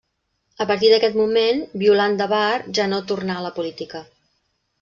A partir d'aquest moment, Violant de Bar ja no tornà a la política.